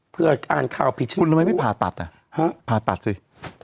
เพื่อการคาวผิดชูฮะฮะพาตัดซี่